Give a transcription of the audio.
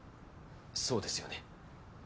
そうですよね？